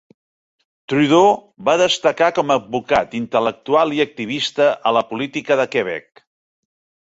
Trudeau va destacar com a advocat, intel·lectual i activista a la política de Quebec.